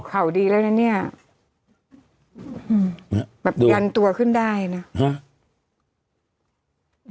เขาดีแล้วนะเนี่ยอืมแบบดียันตัวขึ้นได้นะฮะ